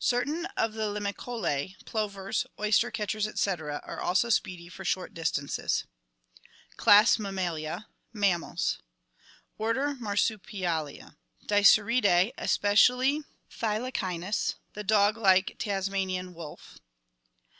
Certain of the Limicolae, plovers, oyster catchers, etc., are also speedy for short distances. Class Mammalia. Mammals Order Marsupialia. Dasyuridae, especially Tkylacynus, the dog like Tasmanian "wolf."